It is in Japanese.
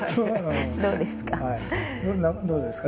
どうですか？